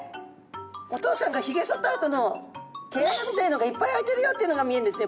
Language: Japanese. お父さんがヒゲそったあとの毛穴みたいのがいっぱい開いてるよっていうのが見えんですね